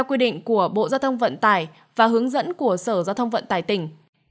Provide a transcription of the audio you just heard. kỉnh của bộ giao thông vận tải và hướng dẫn của sở giao thông vận tải tỉnh